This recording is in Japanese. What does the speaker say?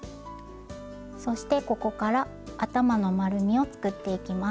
そしてここから頭の丸みを作っていきます。